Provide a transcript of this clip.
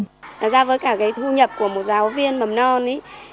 thật ra với cả cái thu nhập của một giáo viên mầm non ấy